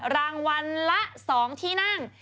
รางวัลละ๒ที่นั่ง